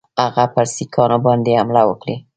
هغه پر سیکهانو باندي حمله وکړي.